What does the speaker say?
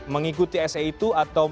mengikuti se itu atau